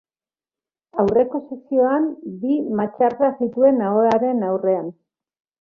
Aurreko sekzioan bi matxarda zituen ahoaren aurrean.